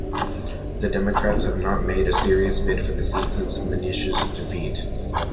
The Democrats have not made a serious bid for the seat since Minish's defeat.